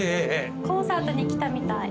コンサートに来たみたい。